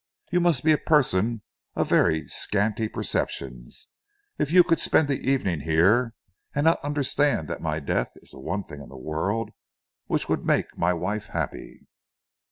You must be a person of very scanty perceptions if you could spend the evening here and not understand that my death is the one thing in the world which would make my wife happy."